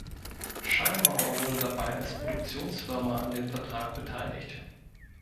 Schallmauer wurde dabei als Produktionsfirma an dem Vertrag beteiligt.